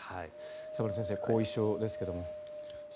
北村先生、後遺症ですが。